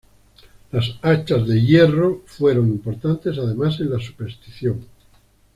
Las hachas de hierro fueron importantes además en la superstición.